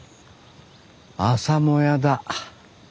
朝もやだ。